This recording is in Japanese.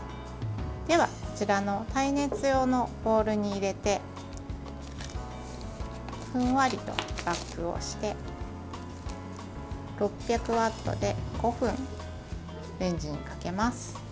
では、こちらの耐熱用のボウルに入れてふんわりとラップをして６００ワットで５分レンジにかけます。